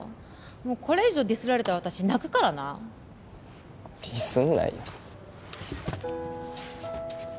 もうこれ以上ディスられたら私泣くからなディスんないよ